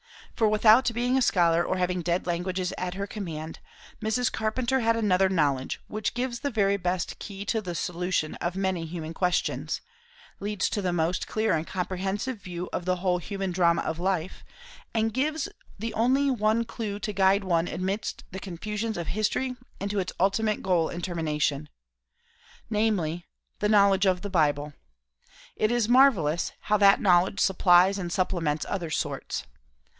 For without being a scholar or having dead languages at her command, Mrs. Carpenter had another knowledge, which gives the very best key to the solution of many human questions, leads to the most clear and comprehensive view of the whole human drama of life and gives the only one clue to guide one amidst the confusions of history and to its ultimate goal and termination. Namely, the knowledge of the Bible. It is marvellous, how that knowledge supplies and supplements other sorts.